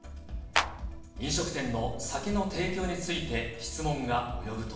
飲食店の酒の提供について、質問が及ぶと。